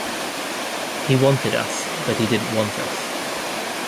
He wanted us but he didn't want us.